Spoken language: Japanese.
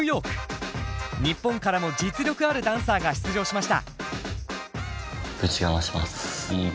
日本からも実力あるダンサーが出場しました。